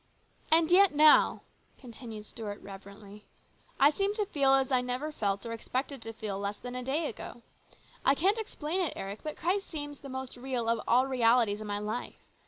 " And yet, now," continued Stuart reverently, " I seem to feel as I never felt or expected to feel less than a day ago. I can't explain it, Eric, but Christ seems the most real of all realities in my life.